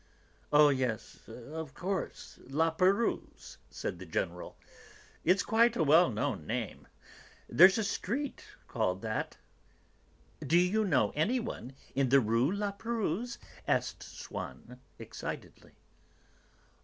"Oh, yes, of course, La Pérouse," said the General. "It's quite a well known name. There's a street called that." "Do you know anyone in the Rue La Pérouse?" asked Swann excitedly.